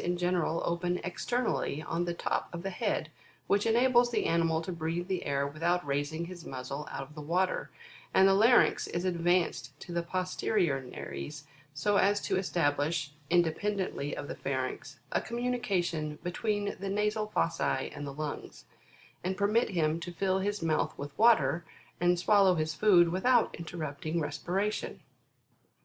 in general open externally on the top of the head, which enables the animal to breathe the air without raising his muzzle out of the water, and the larynx is advanced to the posterior nares, so as to establish, independently of the pharynx, a communication be tween the nasal fossae and the lungs, and permit him to fill his mouth with water, and swallow his food without interrupting respiration.